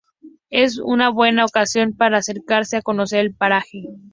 Es una buena ocasión para acercarse a conocer el paraje.